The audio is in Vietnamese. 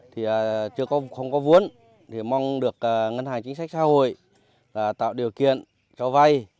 thì không có vốn thì mong được ngân hàng chính sách xã hội tạo điều kiện cho vay